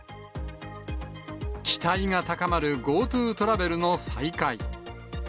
期待が高まるＧｏＴｏトラベルの再開。